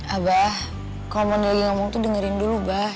abah kalau mau lagi ngomong tuh dengerin dulu abah